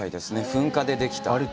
噴火でできたと。